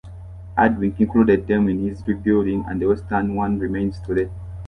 Hardwick included them in his rebuilding, and the western one remains today.